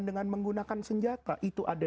dengan menggunakan senjata itu ada